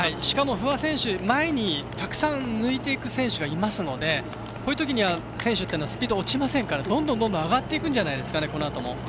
しかも不破選手前にたくさん抜いていく選手がいますのでこういうときには選手というのはスピード落ちませんからどんどん上がっていくんじゃないですかね、このあとも。